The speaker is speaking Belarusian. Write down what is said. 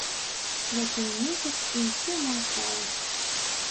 Свяціў месяц, і ўсё маўчала.